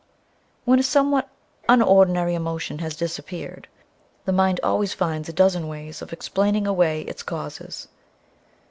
When a somewhat unordinary emotion has disappeared, the mind always finds a dozen ways of explaining away its causes